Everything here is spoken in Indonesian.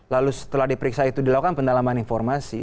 lalu setelah diperiksa itu dilakukan pendalaman informasi